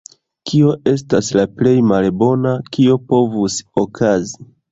Kio estas la plej malbona, kio povus okazi?